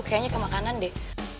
kayaknya ke makanan deh